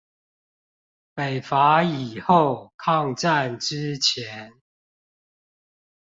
北伐以後，抗戰之前